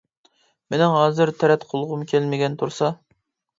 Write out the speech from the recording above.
-مىنىڭ ھازىر تەرەت قىلغۇم كەلمىگەن تۇرسا!